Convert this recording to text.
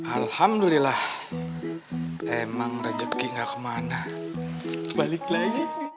alhamdulillah emang rezeki gak kemana balik lagi